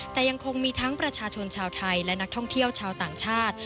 แต่ยังคงมีทั้งประชาชนชาวไทยและนักท่องเที่ยวชาวต่างชาติ